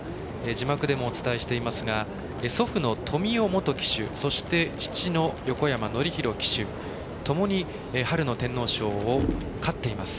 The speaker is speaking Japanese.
字幕でもお伝えしていますが祖父の富雄元騎手そして、父の横山典弘騎手ともに春の天皇賞を勝っています。